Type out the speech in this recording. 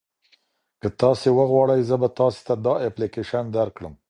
که تاسي وغواړئ زه به تاسي ته دا اپلیکیشن درکړم.